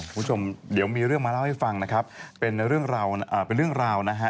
คุณผู้ชมเดี๋ยวมีเรื่องมาเล่าให้ฟังนะครับเป็นเรื่องราวนะฮะ